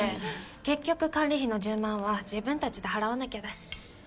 結局管理費の１０万は自分たちで払わなきゃだし。